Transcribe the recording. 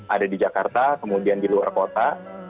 ada di jakarta kemudian di luar kota